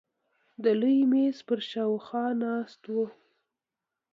د لوی مېز پر شاوخوا ناست وو.